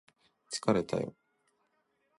疲れたよ